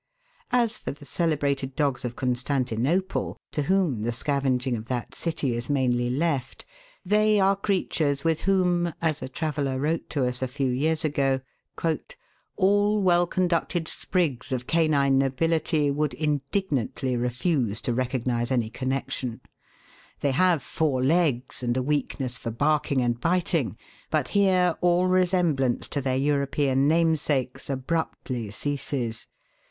As for the celebrated dogs of Constantinople (Fig. 50)) to whom the scavenging of that city is mainly left, they are creatures with whom, as a traveller wrote to us a few Fig. 50. STREET DOGS OF CONSTANTINOPLE. years ago, "all well conducted sprigs ot canine nobility would indignantly refuse to recognise any connection. They have four legs and a weakness for barking and biting, but here all resemblance to their European namesakes abruptly ceases.